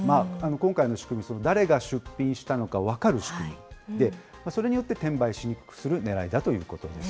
今回の仕組み、誰が出品したのか分かる仕組み、それによって転売しにくくするねらいだということです。